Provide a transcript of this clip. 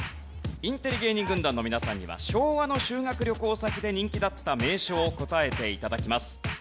インテリ芸人軍団の皆さんには昭和の修学旅行先で人気だった名所を答えて頂きます。